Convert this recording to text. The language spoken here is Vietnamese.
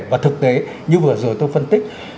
và thực tế như vừa rồi tôi phân tích